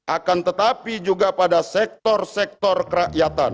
akan tetapi juga pada sektor sektor kerakyatan